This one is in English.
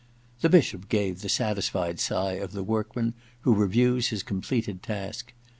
The Bishop gave the satisfied sigh of the workman who reviews his completed task.